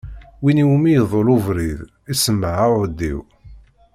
Win iwumi iḍul ubrid, iṣemmeṛ aɛudiw.